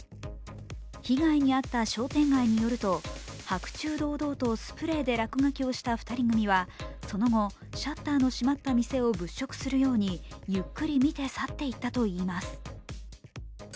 被害に遭った商店街によると、白昼堂々とスプレーで落書きをした２人組はその後、シャッターの閉まった店を物色するようにゆっくり見て去っていったといいます。